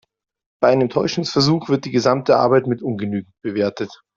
Bei einem Täuschungsversuch wird die gesamte Arbeit mit ungenügend bewertet.